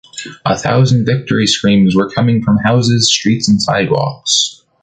A thousand victory screams were coming from houses, streets and sidewalks.